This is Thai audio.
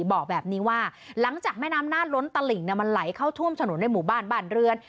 บอกแบบนี้ว่าหลังจากแม่น้ำน่านล้นตลิ่งมันไหลเข้าท่วมถนนในหมู่บ้านบ้านเรือน